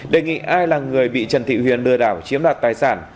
đề nghị ai là người bị trần thị huyền lừa đảo chiếm đoạt tài sản